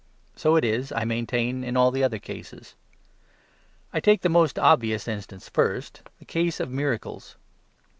So it is, I maintain, in all the other cases. I take the most obvious instance first, the case of miracles.